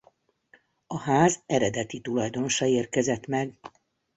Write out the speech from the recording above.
A ház eredeti tulajdonosa érkezett meg.